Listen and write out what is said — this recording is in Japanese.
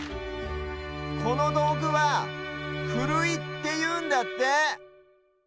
このどうぐは「ふるい」っていうんだって。